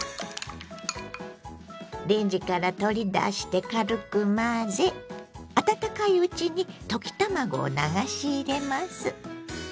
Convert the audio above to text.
レンジから取り出して軽く混ぜ温かいうちに溶き卵を流し入れます。